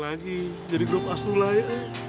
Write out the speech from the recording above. lagi jadi grup astula ya